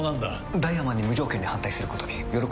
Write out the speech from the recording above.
ダイワマンに無条件に反対することに喜びを感じるようです。